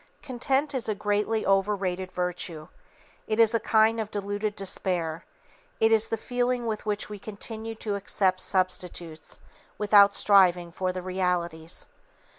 Content is a greatly overrated virtue. It is a kind of diluted despair; it is the feeling with which we continue to accept substitutes, without striving for the realities.